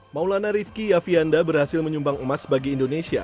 maulana rifki yafianda berhasil menyumbang emas bagi indonesia